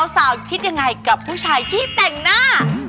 คิดยังไงกับผู้ชายที่แต่งหน้า